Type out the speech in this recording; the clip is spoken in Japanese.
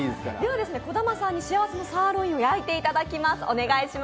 兒玉さんに幸せのサーロインを焼いていただきます。